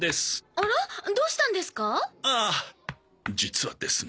ああ実はですね